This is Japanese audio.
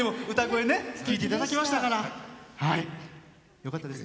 よかったです。